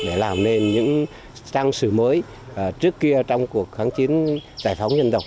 để làm nên những trang sử mới trước kia trong cuộc kháng chiến giải phóng nhân dục